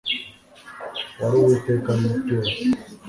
wari uw'iteka ryose